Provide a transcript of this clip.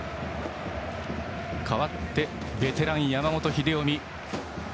代わって、ベテラン山本英臣。